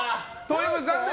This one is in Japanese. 残念。